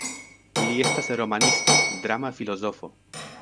Li estas romanisto, drama filozofo.